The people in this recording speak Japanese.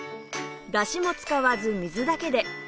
だしも使わず水だけで